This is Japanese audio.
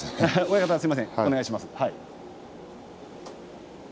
親方、お願いします。